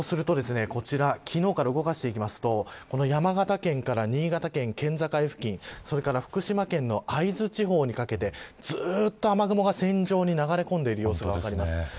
昨日から動かしていきますと山形県から新潟県、県境付近それから福島県の会津地方にかけてずっと雨雲が線上に流れ込んでいる様子が分かります。